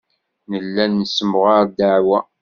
Nella nessemɣar ddeɛwa.